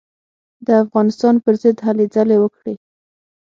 د افغانستان پر ضد هلې ځلې وکړې.